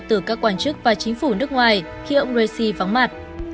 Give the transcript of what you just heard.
từ các quan chức và chính phủ nước ngoài khi ông raisi vắng mặt